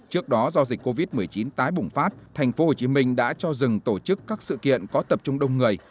trước đó do dịch covid một mươi chín tái bùng phát tp hcm đã cho dừng tổ chức các sự kiện có tập trung đông người